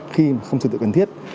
khi không sự tự cần thiết